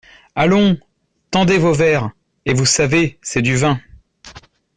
Allons ! tendez vos verres… et vous savez, c’est du vin !